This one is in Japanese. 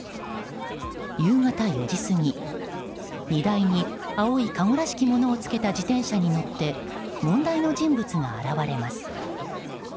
夕方４時過ぎ、荷台に青いかごらしきものをつけた自転車に乗って問題の人物が現れます。